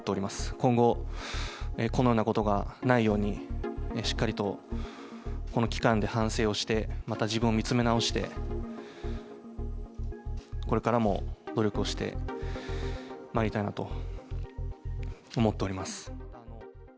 今後、このようなことがないように、しっかりとこの期間で反省をして、また自分を見つめ直して、これからも努力をしてまいりたいなと思っております。